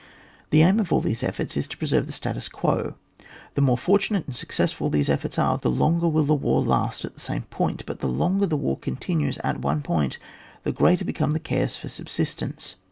The aim of all these efforts is to pre serve the stat%t9 quo. The more fortunate and successful these efforts are, the longer will the war last at the same point ; but the longer war continues at one point, the greater become the cares for subsist ence.